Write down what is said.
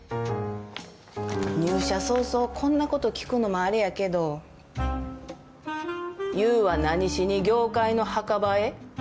入社早々こんなこと聞くのもあれやけどユーは何しに業界の墓場へ？